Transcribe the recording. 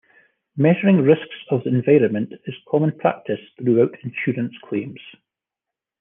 Measuring risks of the environment is common practice throughout insurance claims.